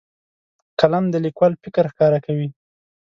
قلم د لیکوال فکر ښکاره کوي.